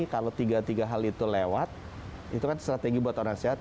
kalau tiga tiga hal itu lewat itu kan strategi buat orang sehat